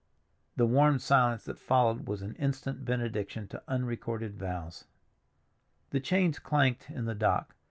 The warm silence that followed was an instant benediction to unrecorded vows. The chains clanked in the dock.